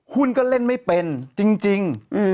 หุ้นก็เล่นไม่เป็นจริง